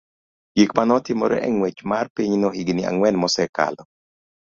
gik ma ne otimore e ng'wech mar pinyno higini ang'wen mosekalo,